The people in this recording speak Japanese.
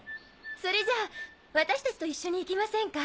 それじゃあ私達と一緒に行きませんか？